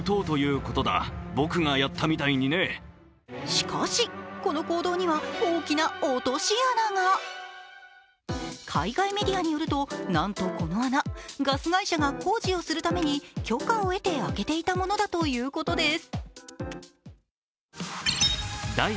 しかし、この行動には大きな落とし穴が海外メディアによると、なんとこの穴、ガス会社が工事をするために許可を得て開けていたものだということです。